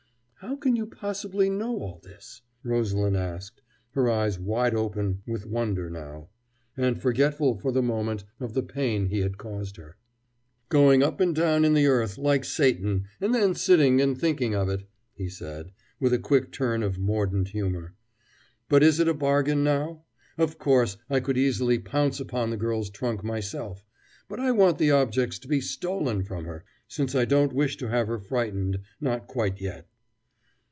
"How can you possibly know all this?" Rosalind asked, her eyes wide open with wonder now, and forgetful, for the moment, of the pain he had caused her. "Going up and down in the earth, like Satan, and then sitting and thinking of it," he said, with a quick turn of mordant humor. "But is it a bargain, now? Of course, I could easily pounce upon the girl's trunk myself: but I want the objects to be stolen from her, since I don't wish to have her frightened not quite yet."